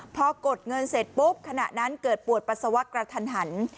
พอกดเงินเสร็จปุ๊บขณะนั้นเกิดปวดปัสสาวะกระทันหัน